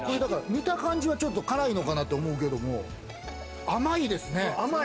見た感じはちょっと辛いのかなって思うけど、甘いですね。